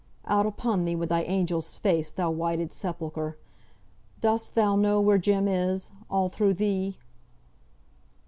Out upon thee, with thy angel's face, thou whited sepulchre! Dost thou know where Jem is, all through thee?"